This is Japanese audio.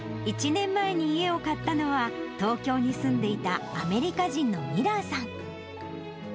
１年前に家を買ったのは、東京に住んでいたアメリカ人のミラーさん。